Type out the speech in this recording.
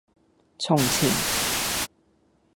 從前